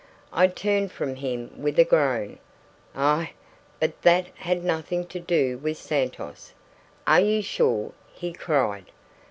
I turned from him with a groan. "Ah! but that had nothing to do with Santos." "Are you sure?" he cried.